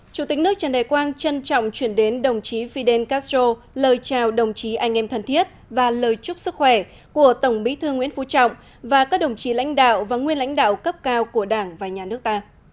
chủ tịch nước trần đại quang trân trọng chuyển đến đồng chí fidel castro lời chào đồng chí anh em thân thiết và lời chúc sức khỏe của tổng bí thư nguyễn phú trọng và các đồng chí lãnh đạo và nguyên lãnh đạo cấp cao của đảng và nhà nước ta